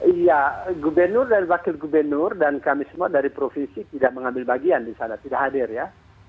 iya gubernur dan wakil gubernur dan kami semua dari provinsi tidak mengambil bagian di sana tidak hadir ya